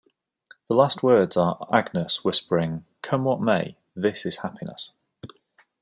The last words are Agnes whispering, Come what may, this is happiness.